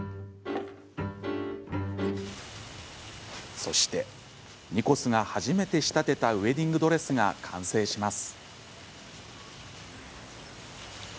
そして、ニコスが初めて仕立てたウエディングドレスが完成します。